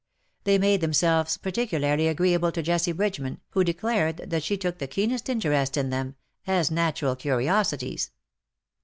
They made themselves particularly agreeable to Jessie Bridgeman, who declared that she took the keenest interest in them — as natural curiosities.